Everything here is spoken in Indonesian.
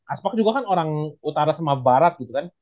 aspak juga kan orang utara sama barat gitu kan